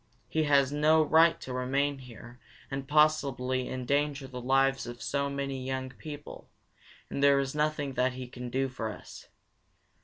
He has no right to remain here and possibly endanger the lives of so many young people, and there is nothing that he can do for us.